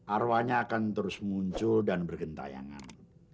arwanya akan terus muncul dan bergentayangan